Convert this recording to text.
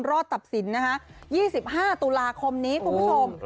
รอดตัดสินนะคะ๒๕ตุลาคมนี้คุณผู้ชม